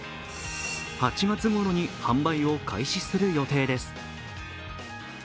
８月ごろに販売を開始する予定です